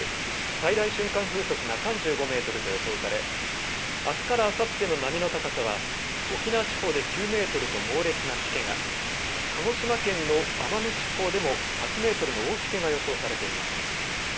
最大瞬間風速が３５メートルと予想されあすからあさっての波の高さは沖縄地方で９メートルと猛烈なしけが鹿児島県の奄美地方でも８メートルの大しけが予想されています。